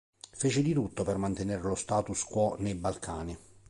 Fece di tutto per mantenere lo "status quo" nei Balcani.